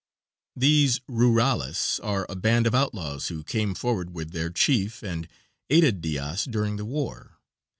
These rurales are a band of outlaws who came forward with their chief and aided Diaz during the war.